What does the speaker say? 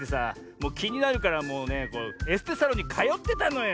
もうきになるからもうねエステサロンにかよってたのよ。